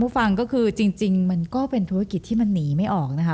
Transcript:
ฟังก็คือจริงมันก็เป็นธุรกิจที่มันหนีไม่ออกนะคะ